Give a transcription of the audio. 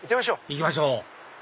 行きましょう！